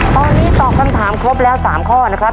ตอนนี้ตอบคำถามครบแล้ว๓ข้อนะครับ